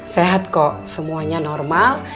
sehat kok semuanya normal